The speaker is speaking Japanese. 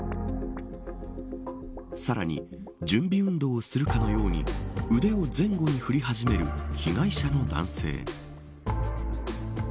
さらに準備運動をするかのように腕を前後に振り始める被害者の男性。